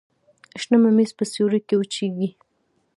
شنه ممیز په سیوري کې وچیږي.